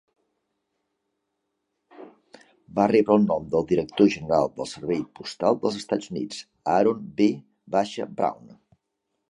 Va rebre el nom del director general del servei postal dels Estats Units, Aaron V. Brown.